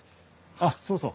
あっそうそう。